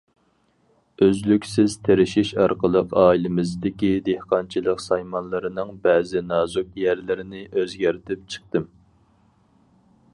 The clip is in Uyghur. ئۆزلۈكسىز تىرىشىش ئارقىلىق ئائىلىمىزدىكى دېھقانچىلىق سايمانلىرىنىڭ بەزى نازۇك يەرلىرىنى ئۆزگەرتىپ چىقتىم.